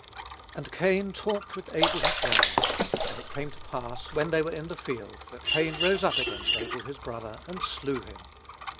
"And Cain talked with Abel his brother: and it came to pass, when they were in the field, that Cain rose up against Abel his brother, and slew him."